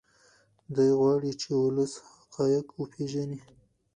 دی غواړي چې ولس حقایق وپیژني.